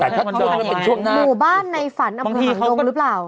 แต่ถ้าที่มันเป็นช่วงหน้าหมู่บ้านในฝันเอาผิวขังลงหรือเปล่า